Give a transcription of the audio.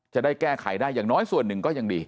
จะได้แก้ไขได้อย่างน้อยส่วนหนึ่งก็ยังดี